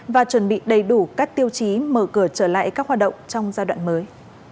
và chuẩn bị đầy đủ các tiêu chí mở cửa trở lại các hoạt động trong giai đoạn mới